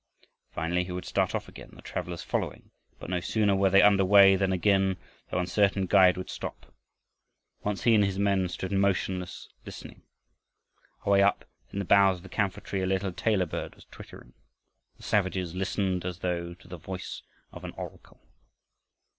Finally he would start off again, the travelers following, but no sooner were they under way than again their uncertain guide would stop. Once he and his men stood motionless, listening. Away up in the boughs of a camphor tree a little tailor bird was twittering. The savages listened as though to the voice of an oracle.